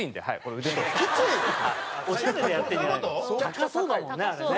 高そうだもんねあれね。